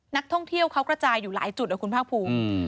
นักท่องเที่ยวเขากระจายอยู่หลายจุดนะคุณภาคภูมิ